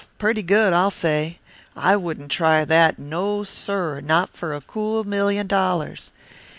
Purty good, I'll say. I wouldn't try that, no, sir, not for a cool million dollars.